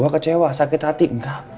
pecewa sakit hati enggak